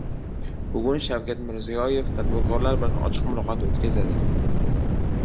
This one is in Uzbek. Bugun Shavkat Mirziyoyev tadbirkorlar bilan ochiq muloqot o‘tkazadi